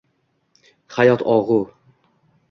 Hayot og’u